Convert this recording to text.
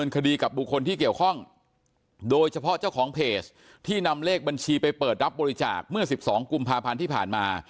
คดีกับบุคคลที่เกี่ยวข้องโดยเฉพาะเจ้าของเพจที่นำเลขบัญชีไปเปิดรับบริจาคเมื่อ๑๒กุมภาพันธ์ที่ผ่านมา